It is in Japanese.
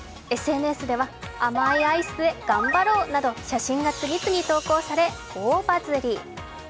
ＳＮＳでは甘いアイスで頑張ろうなど写真が次々投稿され大バズり。